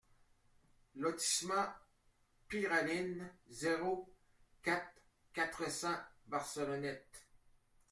Lotissement Peyralines, zéro quatre, quatre cents Barcelonnette